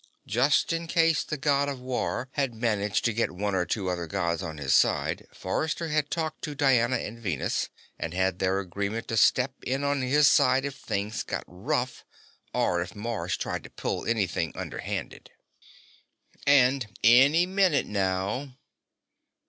Just in case the God of War had managed to get one or two other Gods on his side, Forrester had talked to Diana and Venus, and had their agreement to step in on his side if things got rough, or if Mars tried to pull anything underhanded. And any minute now....